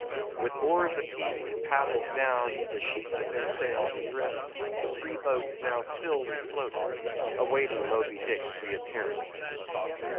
With oars apeak, and paddles down, the sheets of their sails adrift, the three boats now stilly floated, awaiting Moby Dick's reappearance.